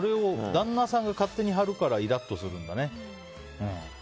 旦那さんが勝手に貼ってるからイラッとするんだね。